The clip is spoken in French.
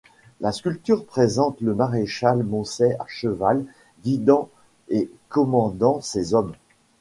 La sculpture présente le maréchal Moncey à cheval guidant et commandant ses hommes.